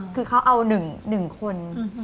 คือเขาเอา๑คน